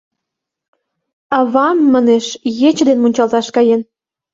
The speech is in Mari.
— Авам, — манеш, — ече ден мунчалташ каен.